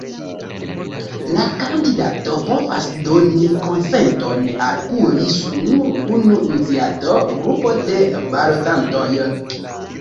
La kandidato povas doni konsenton al kuri sur nur unu iniciato grupo de balotantoj.